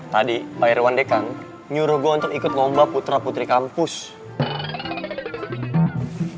tadi pak irwan dekan nyuruh gue untuk ikut lomba putra putri kampus